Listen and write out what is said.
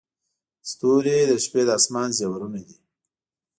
• ستوري د شپې د اسمان زیورونه دي.